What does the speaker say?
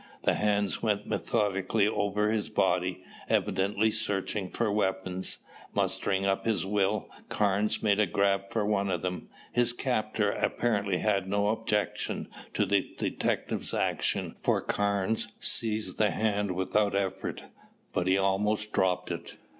The hands went methodically over his body, evidently searching for weapons. Mustering up his will, Carnes made a grab for one of them. His captor apparently had no objection to the detective's action for Carnes seized the hand without effort. But he almost dropped it.